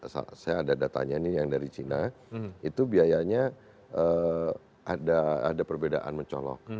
saya ada datanya ini yang dari cina itu biayanya ada perbedaan mencolok